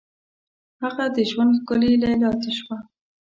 هغه د ژوند ښکلي لیلا څه شوه؟